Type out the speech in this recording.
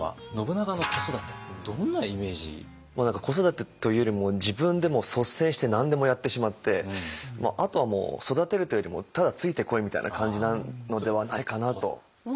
子育てというよりも自分で率先して何でもやってしまってあとは育てるというよりもただ「ついてこい」みたいな感じなのではないかなと。